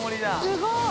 すごい！